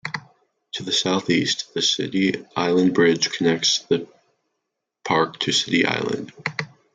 To the southeast, the City Island Bridge connects the park to City Island.